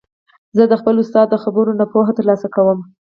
زه د خپل استاد د خبرو نه پوهه تر لاسه کوم.